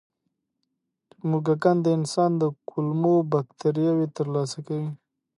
موږکان د انسان د کولمو بکتریاوو ترلاسه کوي.